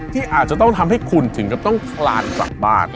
ที่อาจจะต้องทำให้คุณถึงกับต้องคลานกลับบ้าน